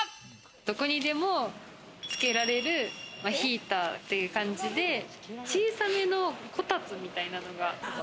どこにでもつけられるヒーターっていう感じで小さめのコタツみたいなのが。